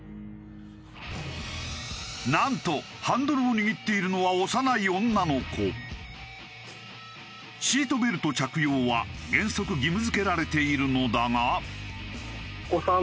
なんとハンドルを握っているのはシートベルト着用は原則義務付けられているのだが。